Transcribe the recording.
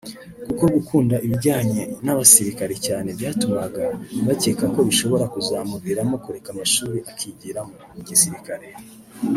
kuko gukunda ibijyanye n’abasirikare cyane byatumaga bacyeka ko bishobora kuzamuviramo kureka amashuri akigira mu gisirikare